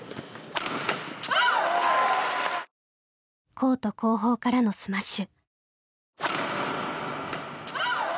コート後方からのスマッシュ。